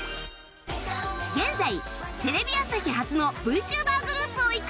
現在テレビ朝日発の ＶＴｕｂｅｒ グループを育成中